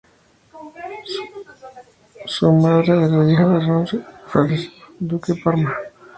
Su madre era hija de Ranuccio I Farnesio, duque de Parma.